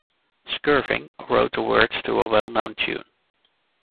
Skirving wrote the words to a well known tune.